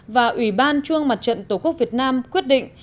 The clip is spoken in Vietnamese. và ủy ban trung mặt trận tổ quốc việt nam quyết định